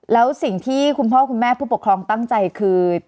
แล้วสิ่งที่คุณพ่อคุณแม่ผู้ปกครองตั้งใจคือ